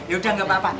ya udah gak apa apa